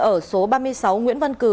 ở số ba mươi sáu nguyễn văn cử